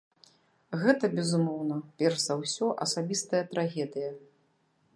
Гэта, безумоўна, перш за ўсё асабістая трагедыя.